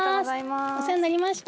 お世話になりました。